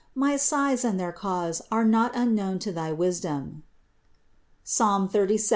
My sighs and their cause are not unknown to thy wisdom (Ps. 37, 10).